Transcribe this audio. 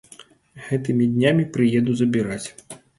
Гэтымі днямі прыеду забіраць.